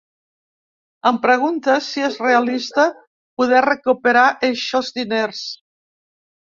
Em preguntes si és realista poder recuperar eixos diners.